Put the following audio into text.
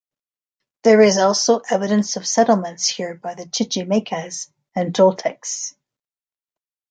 There is also evidence of settlements here by the Chichimecas and Toltecs.